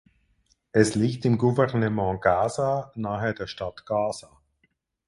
Es liegt im Gouvernement Gaza nahe der Stadt Gaza.